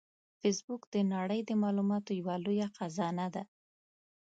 فېسبوک د نړۍ د معلوماتو یوه لویه خزانه ده